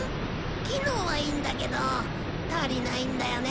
機能はいいんだけど足りないんだよね